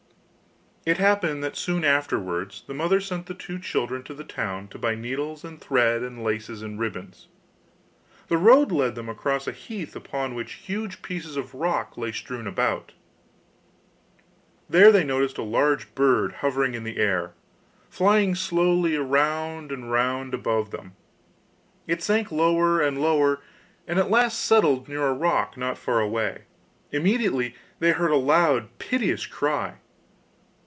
It happened that soon afterwards the mother sent the two children to the town to buy needles and thread, and laces and ribbons. The road led them across a heath upon which huge pieces of rock lay strewn about. There they noticed a large bird hovering in the air, flying slowly round and round above them; it sank lower and lower, and at last settled near a rock not far away. Immediately they heard a loud, piteous cry.